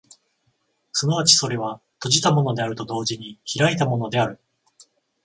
即ちそれは閉じたものであると同時に開いたものである。